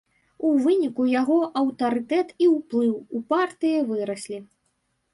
У выніку яго аўтарытэт і ўплыў у партыі выраслі.